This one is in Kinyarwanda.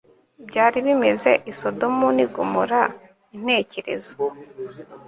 byari bimeze i Sodomu ni Gomora Intekerezo